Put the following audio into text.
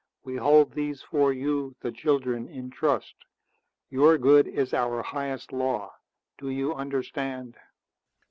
We hold these for you, the children, in trust. Your good is our highest law. Do you understand?"